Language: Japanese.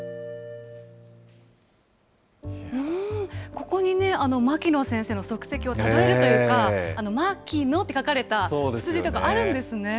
ここにね、牧野先生の足跡をたどれるというか、Ｍａｋｉｎｏと書かれたツツジとかあるんですね。